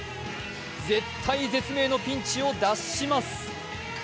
絶体絶命のピンチを脱します。